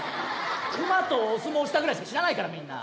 熊とお相撲したぐらいしか知らないからみんな。